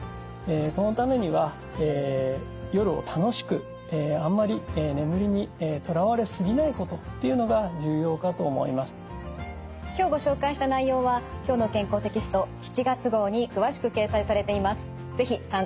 このためには今日ご紹介した内容は「きょうの健康」テキスト７月号に詳しく掲載されています。